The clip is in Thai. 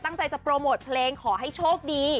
ตั้งใจจะโปรโมทเพลงขอให้โชคดี